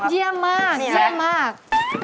เยี่ยมมากเยี่ยมมาก